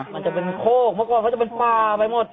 มันจะเป็นโคกเมื่อก่อนเขาจะเป็นป่าไปหมด